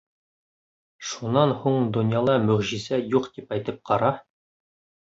Шунан һуң донъяла мөғжизә юҡ тип әйтеп ҡара...